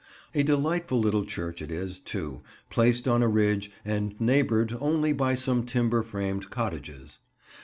A delightful little church it is, too, placed on a ridge and neighboured only by some timber framed cottages.